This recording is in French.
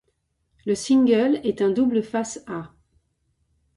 Le single est un double face-A.